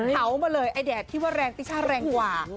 เผามาเลยไอ้แดดที่ว่าแรงติช่าแรงกว่า